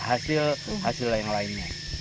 hasil hasil yang lainnya